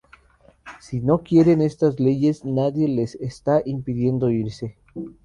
Si no quieren estas leyes, nadie les está impidiendo irse.